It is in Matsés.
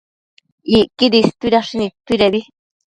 Icquidi istuidashi nidtuidebi